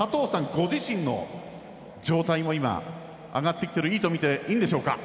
ご自身の状態も今、上がってきているとみていいんでしょうか？